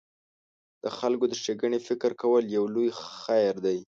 د خلکو د ښېګڼې فکر کول یو لوی خیر دی.